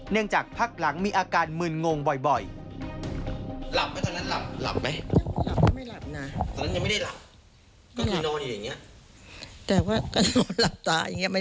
เนื่องจากพักหลังมีอาการมืนงงบ่อย